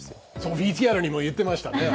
ＶＴＲでも言っていましたね。